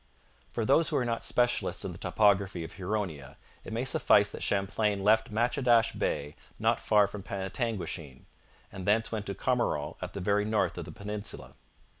For those who are not specialists in the topography of Huronia it may suffice that Champlain left Matchedash Bay not far from Penetanguishene, and thence went to Carmaron at the very north of the peninsula.